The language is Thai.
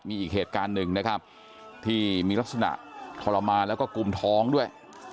มีอีกเหตุการณ์หนึ่งนะครับที่มีลักษณะทรมานแล้วก็กุมท้องด้วย